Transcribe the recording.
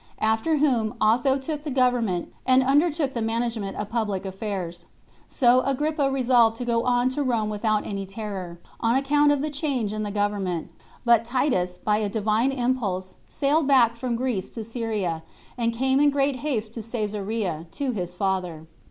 After whom Otho took the government, and undertook the management of public affairs. So Agrippa resolved to go on to Rome without any terror; on account of the change in the government; but Titus, by a Divine impulse, sailed back from Greece to Syria, and came in great haste to Cesarea, to his father.